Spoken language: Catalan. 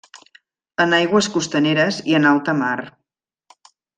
En aigües costaneres i en alta mar.